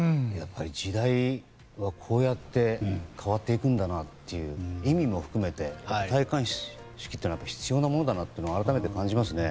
時代はこうやって変わっていくんだなという意味も含めて戴冠式ってのは必要なものだと改めて感じますね。